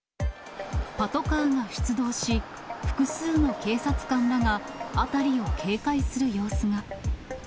パトカーが出動し、複数の警察官らが辺りを警戒する様子が。